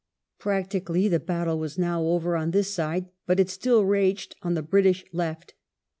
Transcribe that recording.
Practically, the battle was now over on this side, but it still raged on the British left.